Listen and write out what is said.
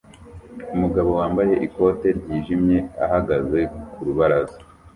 Umugabo wambaye ikote ryijimye ahagaze ku rubaraza